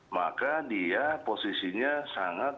maka dia posisinya sangat